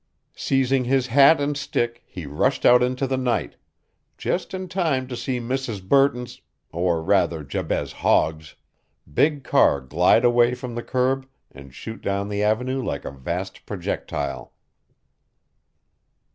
Seizing his hat and stick he rushed out into the night, just in time to see Mrs. Burton's or rather Jabez Hogg's big car glide away from the curb and shoot down the avenue like a vast projectile.